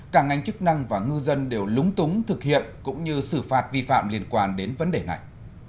cả ngành chức năng và ngư dân đều lúng túng thực hiện cũng như xử phạt vi phạm liên quan đến vấn đề này